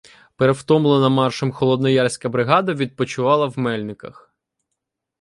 Перевтомлена маршем Холодноярська бригада відпочивала в Мельниках.